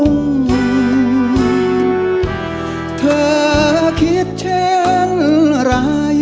คนหัวใจทรงเป็นลมอ่อนลาเพราะเธอชอบมาบอกรักให้ยุ่ง